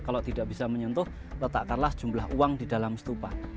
kalau tidak bisa menyentuh letakkanlah jumlah uang di dalam stupa